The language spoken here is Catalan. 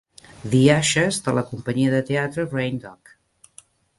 "The Ushers" de la companyia de teatre Rain Dog.